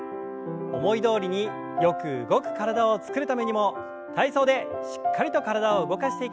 思いどおりによく動く体を作るためにも体操でしっかりと体を動かしていきましょう。